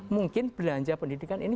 mungkin belanja pendidikan ini